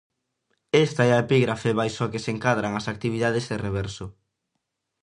Esta é a epígrafe baixo a que se encadran as actividades de Reverso.